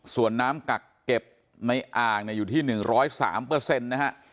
ส่วนน้ำกักเก็บในอ่างเนี่ยอยู่ที่หนึ่งร้อยสามเปอร์เซ็นต์นะฮะ